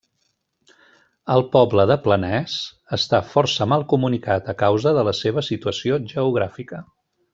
El poble de Planès està força mal comunicat, a causa de la seva situació geogràfica.